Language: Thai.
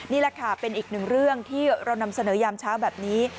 นี่แหละค่ะเป็นอีกหนึ่งเรื่องที่เรานำเสนอยามเช้าแบบนี้